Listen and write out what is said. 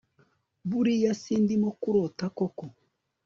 buriya sindimo kurota koko